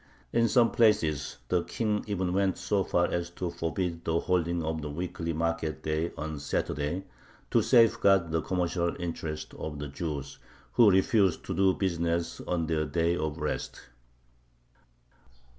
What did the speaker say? In some places the King even went so far as to forbid the holding of the weekly market day on Saturday, to safeguard the commercial interests of the Jews, who refused to do business on their day of rest.